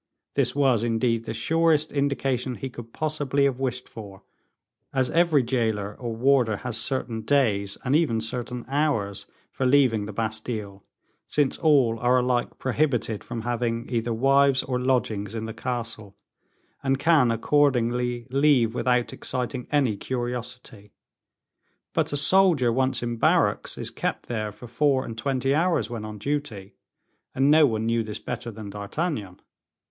This was, indeed, the surest indication he could possibly have wished for, as every jailer or warder has certain days, and even certain hours, for leaving the Bastile, since all are alike prohibited from having either wives or lodgings in the castle, and can accordingly leave without exciting any curiosity; but a soldier once in barracks is kept there for four and twenty hours when on duty, and no one knew this better than D'Artagnan.